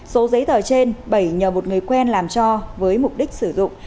số giấy tờ trên bảy nhờ một người quen làm cho với mục đích sử dụng